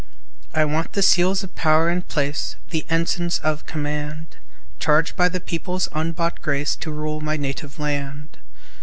I want the seals of power and place, The ensigns of command; Charged by the People's unbought grace To rule my native land.